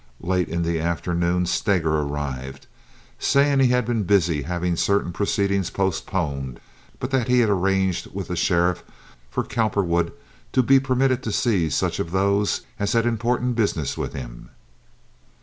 Late in the afternoon Steger arrived, saying he had been busy having certain proceedings postponed, but that he had arranged with the sheriff for Cowperwood to be permitted to see such of those as had important business with him.